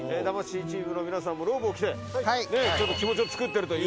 魂チームの皆さんもローブを着てちょっと気持ちをつくってる。